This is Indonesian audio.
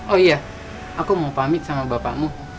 oh iya aku mau pamit sama bapakmu